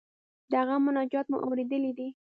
د هغه مناجات مو اوریدلی دی.